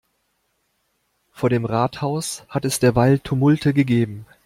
Vor dem Rathaus hat es derweil Tumulte gegeben.